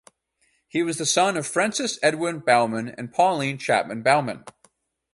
He was the son of Francis Edwin Bowman and Pauline (Chapman) Bowman.